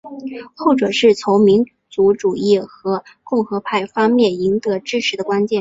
后者是从民族主义和共和派方面赢得支持的关键。